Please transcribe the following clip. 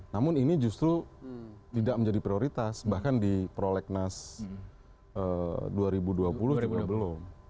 namun ini justru tidak menjadi prioritas bahkan di prolegnas dua ribu dua puluh juga belum